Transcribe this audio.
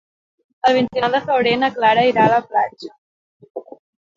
El vint-i-nou de febrer na Clara irà a la platja.